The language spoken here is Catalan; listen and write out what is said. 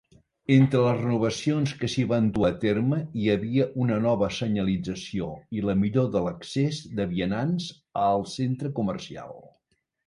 Entre les renovacions que s'hi van dur a terme hi havia una nova senyalització i la millor de l'accés de vianants al centre comercial.